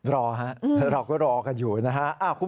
รอครับเราก็รอกันอยู่นะครับ